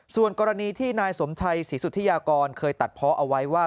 ส่วนกรณีที่นายสมชัยศรีสุธิยากรเคยตัดเพาะเอาไว้ว่า